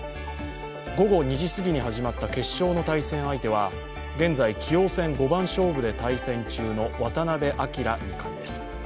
午後２時すぎに始まった決勝の対戦相手は、現在、棋王戦五番勝負で対戦中の渡辺明二冠です。